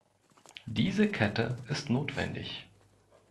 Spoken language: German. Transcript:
Diese Kette ist notwendig.